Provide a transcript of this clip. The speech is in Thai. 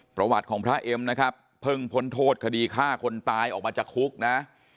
ประวัติของพระเอ็มนะครับเพิ่งพ้นโทษคดีฆ่าคนตายออกมาจากคุกนะ